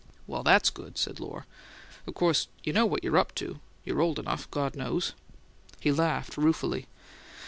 "Well, that's good," said Lohr. "Of course you know what you're up to: you're old enough, God knows!" He laughed ruefully.